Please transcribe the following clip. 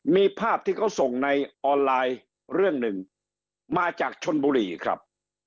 มีภาพที่เขาส่งในออนไลน์เรื่องหนึ่งมาจากชนบุรีครับ